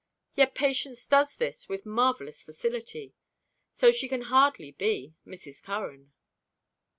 Yet Patience does this with marvelous facility. So she can hardly be Mrs. Curran.